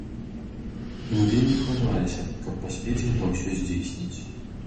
І мы вельмі хваляваліся, каб паспець гэта ўсё здзейсніць.